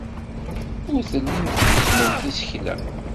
Ur tellimt tgezzmemt isekla.